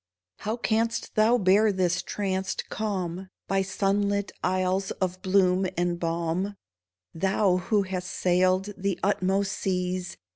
How canst thou bear this tranced calm By sunlit isles of bloom and balm — Thou who hast sailed the utmost seas.